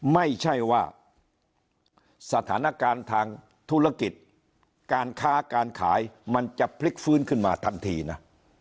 ไม่ใช่ว่าสถานการณ์ทางธุรกิจการค้าการขายมันจะพลิกฟื้นขึ้นมาทันทีนะ